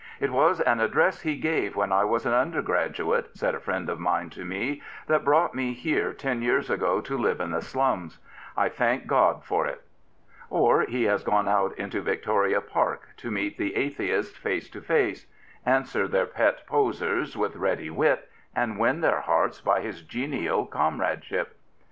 " It was an address he gave when I was an undergraduate,'' said a friend of mine to me, " that brought me here ten years ago to live in the slums. I thank God for it." Or he has gone out into Victoria Park to meet the atheists face to face ; answer their pet powers with ready wit, and win their hearts by his genial comradeship.